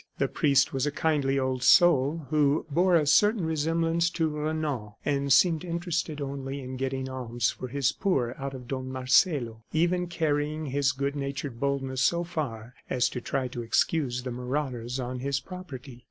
The priest was a kindly old soul who bore a certain resemblance to Renan, and seemed interested only in getting alms for his poor out of Don Marcelo, even carrying his good natured boldness so far as to try to excuse the marauders on his property.